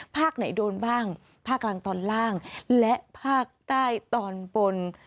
ภาคไหนโดนบ้างภาคกลางตอนล่างและภาคใต้ตอนบน